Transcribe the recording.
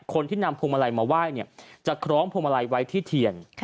คนที่นำพวงมาลัยมาไหว้จะคล้องพวงมาลัยไว้ที่เทียน